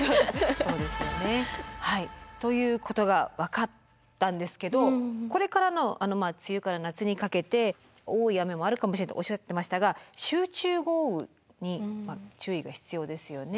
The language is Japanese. そうですよね。ということが分かったんですけどこれからの梅雨から夏にかけて多い雨もあるかもしれないとおっしゃってましたが集中豪雨に注意が必要ですよね。